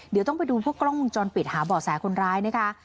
เดี๋ยวต้องไปดูพวกกล้องวงจรปิดหาบ่อแสคนร้ายนะคะ